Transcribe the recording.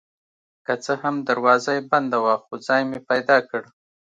که څه هم دروازه یې بنده وه خو ځای مې پیدا کړ.